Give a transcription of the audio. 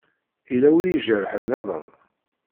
Yella wi ijerḥen-nniḍen?